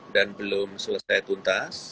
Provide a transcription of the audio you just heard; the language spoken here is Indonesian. dan belum selesai tuntas